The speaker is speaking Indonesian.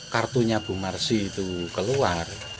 kartunya bu marsi itu keluar